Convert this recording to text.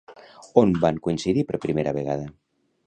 On van coincidir per primera vegada?